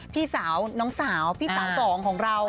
พี่สาวน้องสาวพี่สาวสองของเรา